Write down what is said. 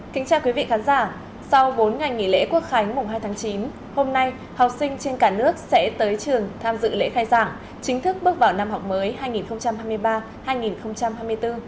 kính chào quý vị khán giả sau bốn ngày nghỉ lễ quốc khánh mùng hai tháng chín hôm nay học sinh trên cả nước sẽ tới trường tham dự lễ khai giảng chính thức bước vào năm học mới hai nghìn hai mươi ba hai nghìn hai mươi bốn